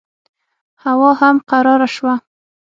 هوا هم قراره شوه.